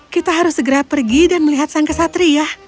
kita harus segera pergi dan melihat sang kesatria